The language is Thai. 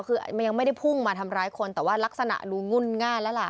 คือมันยังไม่ได้พุ่งมาทำร้ายคนแต่ว่ารักษณะดูงุ่นง่านแล้วล่ะ